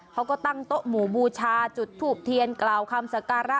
เขาก็ตั้งโต๊ะหมู่บูชาจุดทูบเทียนกล่าวคำสการะ